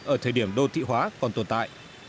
ở thời điểm đô thị hóa còn tồn tại